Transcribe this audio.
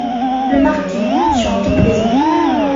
Le Marquis , sur un ton plaisant.